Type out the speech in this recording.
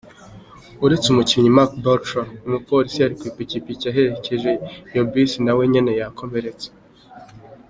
Uretse umukinyi Marc Bartra, umupolisi yari kw'ipikipiki aherekeje iyo bisi nawe nyene yakomeretse.